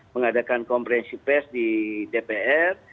mengadakan komprehensi pes di dpr